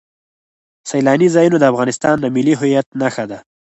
سیلاني ځایونه د افغانستان د ملي هویت نښه ده.